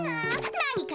なにか？